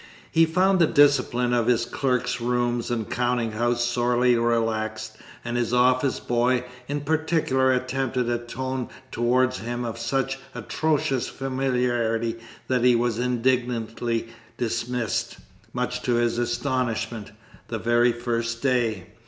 He found the discipline of his clerks' room and counting house sorely relaxed, and his office boy in particular attempted a tone towards him of such atrocious familiarity that he was indignantly dismissed, much to his astonishment, the very first day.